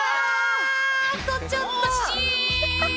ああとちょっと！